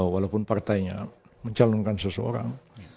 walaupun partainya mencalonkan seseorang